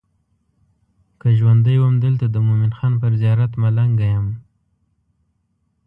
که ژوندی وم دلته د مومن خان پر زیارت ملنګه یم.